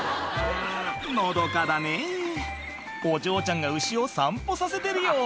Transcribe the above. のどかだねぇお嬢ちゃんが牛を散歩させてるよ